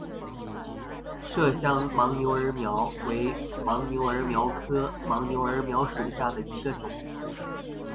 麝香尨牛儿苗为牻牛儿苗科牻牛儿苗属下的一个种。